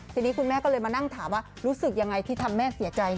ทีนี้คุณแม่ก็เลยมานั่งถามว่ารู้สึกยังไงที่ทำแม่เสียใจ